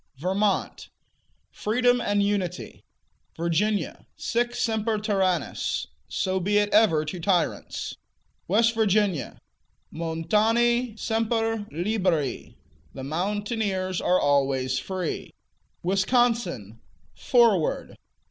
Vermont Freedom and Unity. Virginia Sic semper tyrannis: So be it ever to tyrants. West Virginia Montani semper liberi: The mountaineers are always free. Wisconsin Forward.